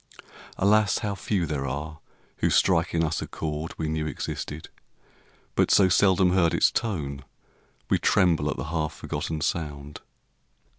Alas, how few There are who strike in us a chord we knew Existed, but so seldom heard its tone We tremble at the half forgotten sound.